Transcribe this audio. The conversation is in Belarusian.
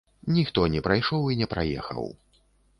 Ніхто не прайшоў і не праехаў.